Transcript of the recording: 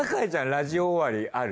ラジオ終わりある？